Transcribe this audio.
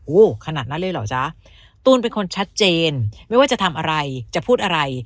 โอ้โหขนาดนั้นเลยเหรอจ๊ะตูนเป็นคนชัดเจนไม่ว่าจะทำอะไรจะพูดอะไร